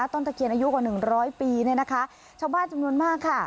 ตะเคียนอายุกว่าหนึ่งร้อยปีเนี่ยนะคะชาวบ้านจำนวนมากค่ะ